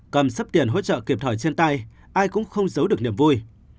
cầm sắp tiền hỗ trợ kịp thời trên tay ai cũng không giấu được niềm vui